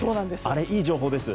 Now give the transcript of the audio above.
あれ、いい情報です。